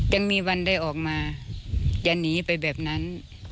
ยังมีวันได้ออกมาอย่าหนีไปแบบนั้น